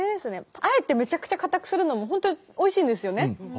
あえてめちゃくちゃ硬くするのもほんとおいしいんですよね。